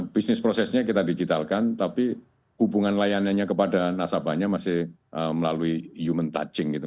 bisnis prosesnya kita digitalkan tapi hubungan layanannya kepada nasabahnya masih melalui human touching gitu